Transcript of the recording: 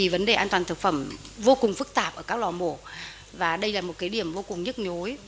vấn đề an toàn thực phẩm vô cùng phức tạp ở các lò mổ và đây là một điểm vô cùng nhức nhối